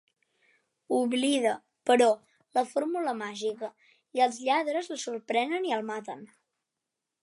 Oblida, però, la fórmula màgica i els lladres el sorprenen i el maten.